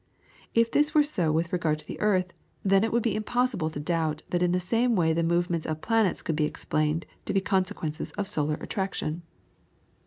If this were so with regard to the earth, then it would be impossible to doubt that in the same way the movements of the planets could be explained to be consequences of solar attraction.